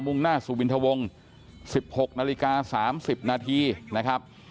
มุ่งหน้าสูบินทวง๑๖น๓๐นนะครับ